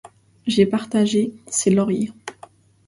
J’ai partagé ses lauriers.